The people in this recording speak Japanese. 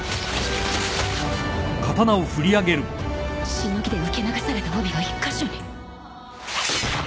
しのぎで受け流された帯が１カ所に